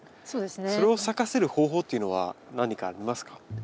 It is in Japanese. それを咲かせる方法というのは何かありますか？